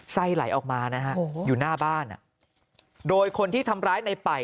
ไส้ไหลออกมานะฮะอยู่หน้าบ้านโดยคนที่ทำร้ายในป่าย